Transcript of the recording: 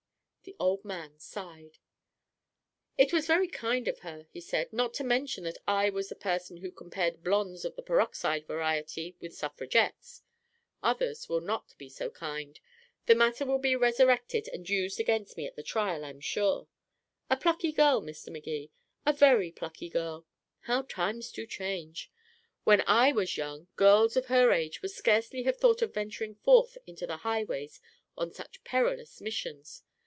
The old man sighed. "It was very kind of her," he said, "not to mention that I was the person who compared blondes of the peroxide variety with suffragettes. Others will not be so kind. The matter will be resurrected and used against me at the trial, I'm sure. A plucky girl, Mr. Magee a very plucky girl. How times do change. When I was young, girls of her age would scarcely have thought of venturing forth into the highways on such perilous missions.